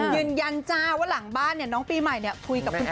ยืนยันจ้าว่าหลังบ้านนี่น้องปีใหม่คุยกับคุณปู่